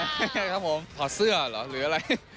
ครับผมถอดเสื้อเหรอหรืออะไร